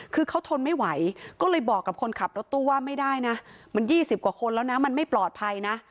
คือเขาทนไม่ไหวก็เลยบอกกับคนขับรถตู้ว่าไม่ได้นะมัน๒๐กว่าคนแล้วนะมันไม่ปลอดภัยนะ